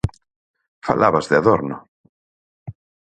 Falabas de Adorno.